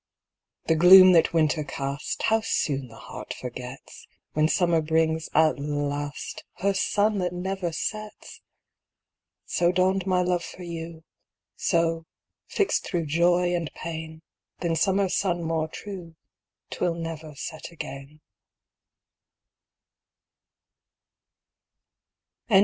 The gloom that winter cast, How soon the heart forgets, When summer brings, at last, Her sun that never sets! So dawned my love for you; So, fixt thro' joy and pain, Than summer sun more true, 'Twill never set again.